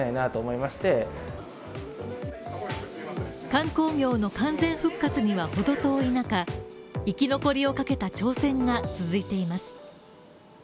観光業の完全復活には程遠い中、生き残りをかけた挑戦が続いています。